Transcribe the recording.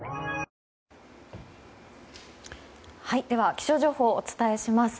気象情報をお伝えします。